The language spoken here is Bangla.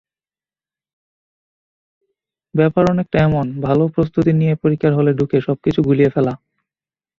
ব্যাপার অনেকটা এমন, ভালো প্রস্তুতি নিয়ে পরীক্ষার হলে ঢুকে সবকিছু গুলিয়ে ফেলা।